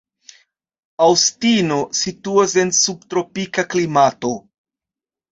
Aŭstino situas en subtropika klimato.